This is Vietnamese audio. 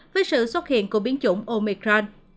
với sự xuất hiện của biến chủng omicron